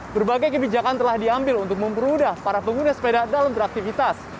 berbagai kebijakan telah diambil untuk mempermudah para pengguna sepeda dalam beraktivitas